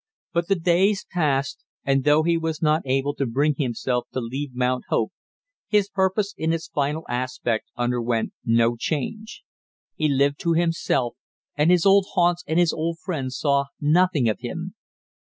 But the days passed, and though he was not able to bring himself to leave Mount Hope, his purpose in its final aspect underwent no change. He lived to himself, and his old haunts and his old friends saw nothing of him.